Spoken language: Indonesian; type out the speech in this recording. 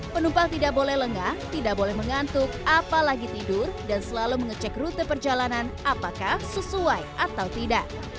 penumpang tidak boleh lengah tidak boleh mengantuk apalagi tidur dan selalu mengecek rute perjalanan apakah sesuai atau tidak